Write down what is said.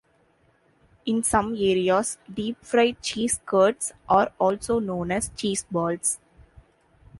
In some areas, deep-fried cheese curds are also known as cheeseballs.